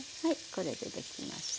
これでできました。